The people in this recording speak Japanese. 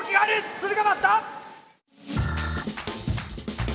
鶴が舞った！